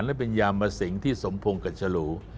และเป็นยามสิงที่สมพงษ์กับฉลู